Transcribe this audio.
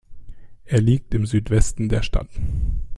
Er liegt im Südwesten der Stadt.